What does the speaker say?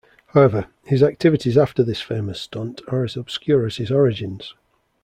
However, his activities after this famous stunt are as obscure as his origins.